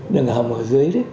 đường hầm ở dưới